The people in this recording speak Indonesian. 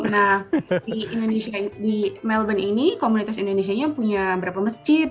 nah di melbourne ini komunitas indonesia punya berapa masjid